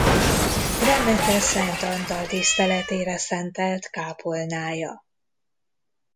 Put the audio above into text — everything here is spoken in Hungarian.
Remete Szent Antal tiszteletére szentelt kápolnája.